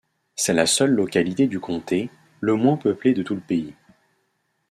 C’est la seule localité du comté, le moins peuplé de tout le pays.